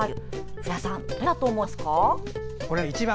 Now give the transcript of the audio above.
古谷さん、なんだと思いますか？